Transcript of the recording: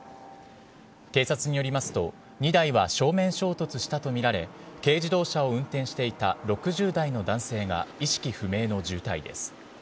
警察によりますと、２台は正面衝突したと見られ、軽自動車を運転していた６０代の男性が意識不明の重体です。